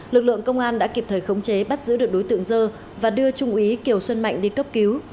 lực lượng công an đã kịp thời khống chế bắt giữ được đối tượng dơ và đưa trung úy kiều xuân mạnh đi cấp cứu